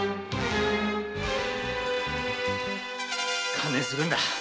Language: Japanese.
観念するんだ！